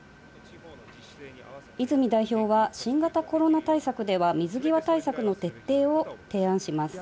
泉代表は新型コロナ対策では水際対策の徹底を提案します。